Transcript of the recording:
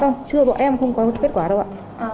vâng chưa bọn em không có kết quả đâu ạ